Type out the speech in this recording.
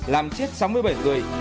làm chết sáu mươi bảy người